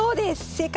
正解！